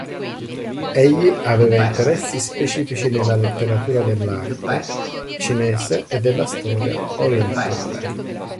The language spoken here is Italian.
Egli aveva interessi specifici nella letteratura dell'arte cinese e della storia orientale.